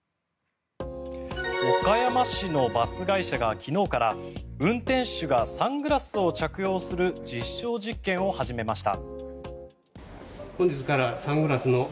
岡山市のバス会社が運転手がサングラスを着用する実証実験を始めました。